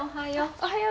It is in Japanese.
おはよう。